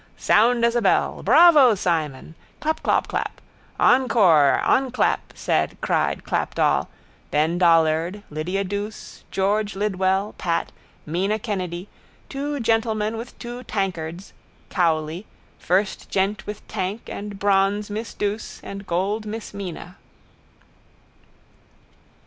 Sound as a bell. Bravo, Simon! Clapclopclap. Encore, enclap, said, cried, clapped all, Ben Dollard, Lydia Douce, George Lidwell, Pat, Mina Kennedy, two gentlemen with two tankards, Cowley, first gent with tank and bronze Miss Douce and gold Miss Mina.